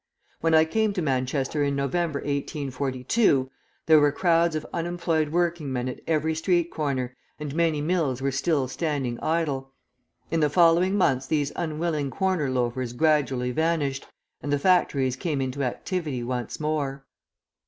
When I came to Manchester in November, 1842, there were crowds of unemployed working men at every street corner, and many mills were still standing idle. In the following months these unwilling corner loafers gradually vanished, and the factories came into activity once more.